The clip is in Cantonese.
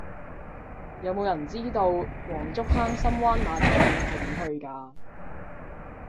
有無人知道黃竹坑深灣碼頭徑係點去㗎